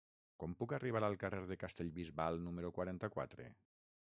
Com puc arribar al carrer de Castellbisbal número quaranta-quatre?